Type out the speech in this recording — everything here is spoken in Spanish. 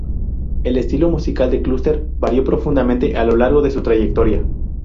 El estilo musical de Cluster varió profundamente a lo largo de su trayectoria.